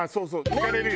聞かれるよね。